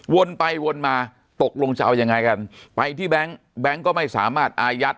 วนไปวนมาตกลงจะเอายังไงกันไปที่แบงค์แบงค์ก็ไม่สามารถอายัด